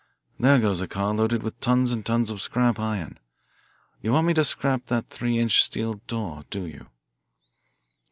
"There goes a car loaded with tons and tons of scrap iron. You want me to scrap that three inch steel door, do you?"